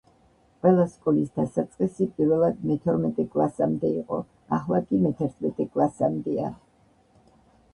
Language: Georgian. ყველა სკოლის დასაწყისი პირველად მეთორმეტე კლასამდე იყო, ახლა კი მეთერთმეტე კლასამდეა